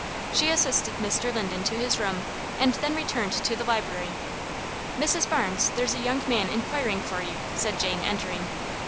She assisted Mr. Linden to his room, and then returned to the library. "Mrs. Barnes, there's a young man inquiring for you," said Jane, entering.